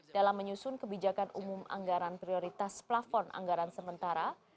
dalam menyusun kebijakan umum anggaran prioritas plafon anggaran sementara